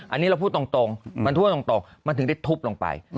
อันนี้เราพูดตรงมันท่วมตรงมันถึงได้ทุบลงไป